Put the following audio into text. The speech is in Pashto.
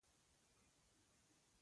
یوه موده تکتیکي روغه جوړه وکړه